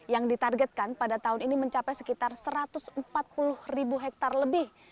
yang ditargetkan pada tahun ini mencapai sekitar satu ratus empat puluh ribu hektare lebih